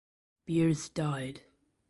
Beers died.